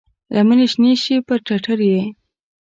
لمنې شنې شي پر ټټر یې،